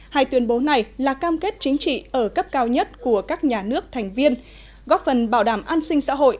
hai tuyên bố này là cam kết chính trị ở cấp cao nhất của các nhà nước thành viên góp phần bảo đảm an sinh xã hội